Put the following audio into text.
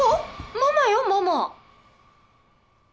ママよママ。